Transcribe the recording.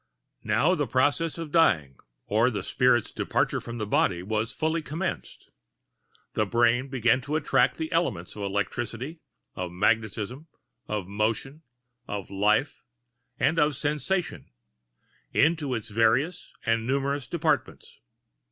Now the process of dying, or the spirit's departure from the body, was fully commenced. The brain began to attract the elements of electricity, of magnetism, of motion, of life, and of sensation, into its various and numerous departments.